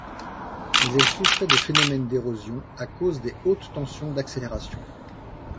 Mais elles souffraient de phénomènes d'érosion à cause des hautes tensions d'accélération.